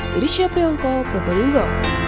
dirisyah priyanko proberinggo